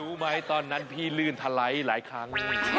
รู้ไหมตอนนั้นพี่ลื่นทะไหลหลายครั้ง